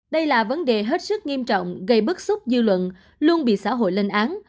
đây là vấn đề hết sức nghiêm trọng gây bức xúc dư luận luôn bị xã hội lên án